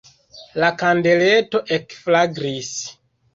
La kandeleto ekflagris.